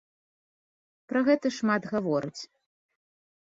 Пра гэта шмат гавораць.